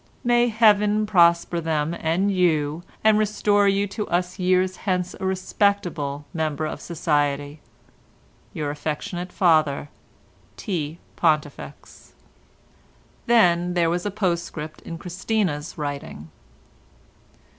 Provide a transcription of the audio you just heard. "May Heaven prosper them and you, and restore you to us years hence a respected member of society.—Your affectionate father, T. PONTIFEX." Then there was a postscript in Christina's writing.